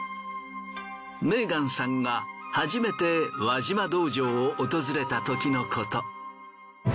メーガンさんが初めて輪島道場を訪れたときのこと。